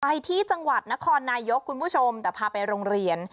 ไปที่จังหวัดนครนายกคุณผู้ชมแต่พาไปโรงเรียน